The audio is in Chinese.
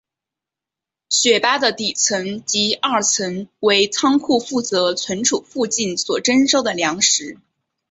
雪巴的底层及二层为仓库负责存储附近所征收的粮食。